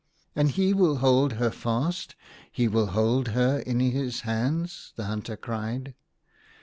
" And he will hold her fast ! he will hold her in his hands !" the hunter cried.